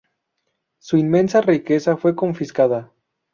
Su inmensa riqueza fue confiscada.